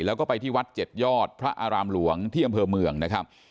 แล้วก็ไปที่วัด๗ยอดพระอารามหลวงที่อำเภอเมืองนะครับ